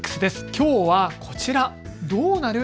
きょうはこちら、どうなる？